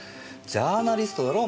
ジャーナリストだろ？